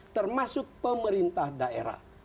termasuk pemerintah daerah